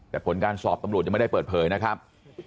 แต่ผลการสอบตำรวจยังไม่ได้เปิดเผยนะครับ